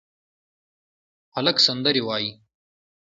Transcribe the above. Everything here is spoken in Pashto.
هلک سندرې وايي